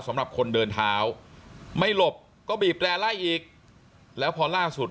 สำหรับคนเดินเท้าไม่หลบก็บีบแร่ไล่อีกแล้วพอล่าสุด